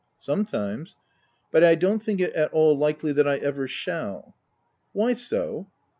''" Sometimes ; but I don't think it at all likely that I ever shall." "Why so?"